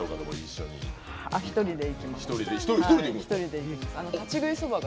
１人で行きます。